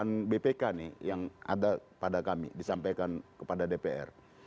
nah bpk nih yang ada pada kami disampaikan kepada dpr